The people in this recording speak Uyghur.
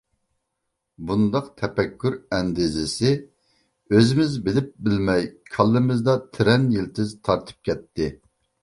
بۇنداق تەپەككۇر ئەندىزىسى ئۆزىمىز بىلىپ-بىلمەي كاللىمىزدا تىرەن يىلتىز تارتىپ كەتتى.